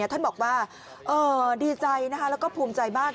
ท่านบอกว่าดีใจแล้วก็ภูมิใจมาก